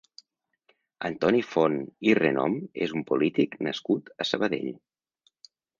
Antoni Font i Renom és un polític nascut a Sabadell.